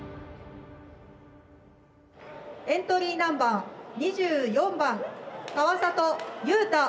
エントリーナンバー２４番川里裕太